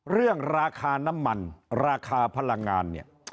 เรื่องราคาน้ำมันราคาพลังงานเนี่ย